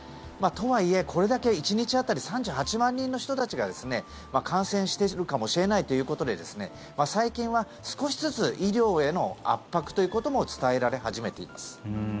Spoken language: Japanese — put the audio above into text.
とはいえ、これだけ１日３８万人の人たちが感染してるかもしれないということで最近は少しずつ医療への圧迫ということも伝えられ始めています。